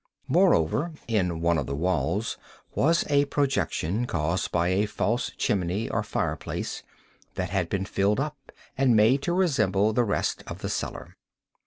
Moreover, in one of the walls was a projection, caused by a false chimney, or fireplace, that had been filled up, and made to resemble the red of the cellar.